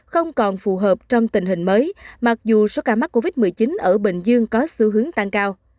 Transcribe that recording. không còn phù hợp trong tình hình mới mặc dù số ca mắc covid một mươi chín ở bình dương có xu hướng tăng cao